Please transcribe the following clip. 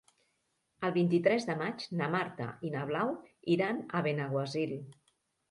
El vint-i-tres de maig na Marta i na Blau iran a Benaguasil.